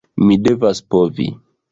Mi devas povi.